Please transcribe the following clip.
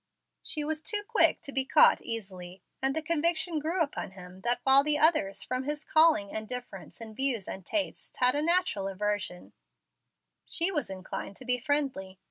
She was too quick to be caught easily, and the conviction grew upon him that while the others from his calling and difference in views and tastes had a natural aversion, she was inclined to be friendly.